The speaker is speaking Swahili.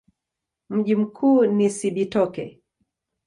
Mji mkuu ni Cibitoke.